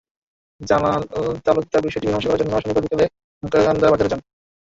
জালাল তালুকদার বিষয়টি মীমাংসা করার জন্য শনিবার বিকেলে মেকিয়ারকান্দা বাজারে যান।